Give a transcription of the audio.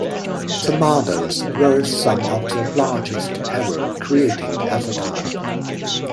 The models were some of the largest ever created at the time.